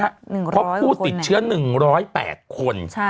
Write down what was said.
๑๐๐คนแม่งใช่เพราะผู้ติดเชื้อ๑๐๘คน